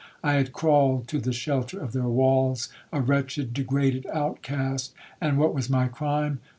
I had crawled to the shelter of their walls, a wretched degraded outcast, and what was my crime?